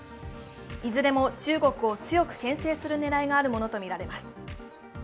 いずれも中国を強くけん制する狙いがあるものと見られます。